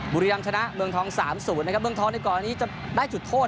บุรีรัมย์ชนะเมืองทองสามศูนย์นะครับเมืองทองด้วยก่อนนี้จะได้ฉุดโทษ